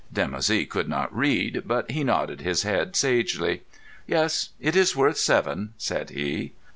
Dimoussi could not read, but he nodded his head sagely. "Yes. It is worth seven," said he.